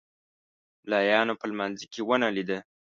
ملایانو په لمانځه کې ونه لید.